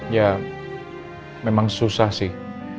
ya memang susah sih